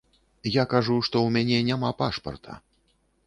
Я кажу, што ў мяне няма пашпарта.